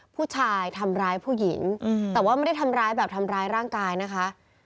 ผู้ชายทำร้ายผู้หญิงแต่ว่าไม่ได้ทำร้ายแบบทำร้ายร่างกายนะคะ